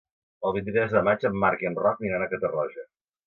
El vint-i-tres de maig en Marc i en Roc aniran a Catarroja.